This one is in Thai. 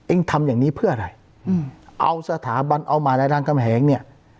ทำอย่างนี้เพื่ออะไรเอาสถาบันเอามาลัยรามกำแหงเนี่ย